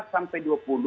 sebelas sampai dua puluh